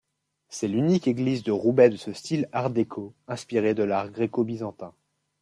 C'est l'unique église de Roubaix de ce style Art déco inspiré de l'art gréco-byzantin.